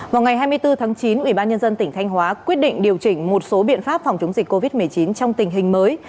vào ngày hai mươi bốn tháng chín ủy ban nhân dân tỉnh thanh hóa quyết định điều chỉnh một số biện pháp phòng chống dịch covid một mươi chín trong tình hình mới